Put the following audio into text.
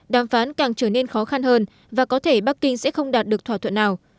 đàm phán càng trở nên khó khăn hơn và có thể bắc kinh sẽ không đạt được thỏa thuận nào